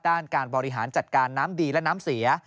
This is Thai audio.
ด้านการบริหารจัดการน้ำดีและน้ำเสีย